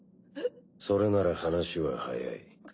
それなら話は早い。